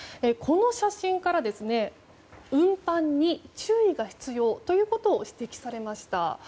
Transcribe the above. この写真から運搬に注意が必要ということを指摘されました。